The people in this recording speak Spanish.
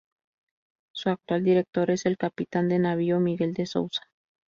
Su actual director es el Capitán de Navío Miguel De Souza.